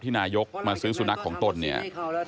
นายกมาซื้อสุนัขของตนเนี่ย